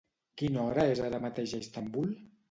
Quina hora és ara mateix a Istanbul?